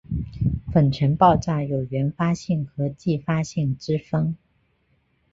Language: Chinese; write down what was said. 粉尘爆炸有原发性和继发性之分。